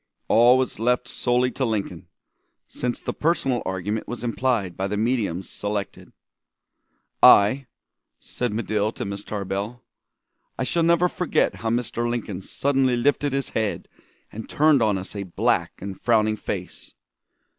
All was left solely to Lincoln, since the personal argument was implied by the mediums selected. "I" said Medill to Miss Tarbell "I shall never forget how Mr. Lincoln suddenly lifted his head and turned on us a black and frowning face.